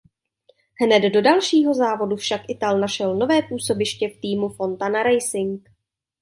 Hned do dalšího závodu však Ital našel nové působiště v týmu Fontana Racing.